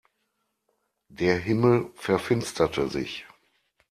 Der Himmel verfinsterte sich.